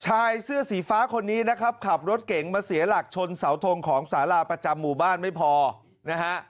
ชายเสื้อสีฟ้าคนนี้นะครับขับรถเก๋งมาเสียหลักชนเสาทงของสาราประจำหมู่บ้านไม่พอนะฮะ